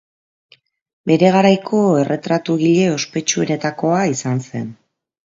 Bere garaiko erretratugile ospetsuenetakoa izan zen.